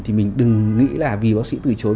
thì mình đừng nghĩ là vì bác sĩ từ chối